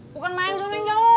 bukan main solo yang jauh